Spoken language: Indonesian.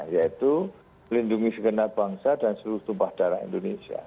yaitu melindungi segenap bangsa dan seluruh tumpah darah indonesia